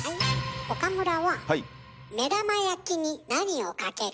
岡村は目玉焼きに何をかける？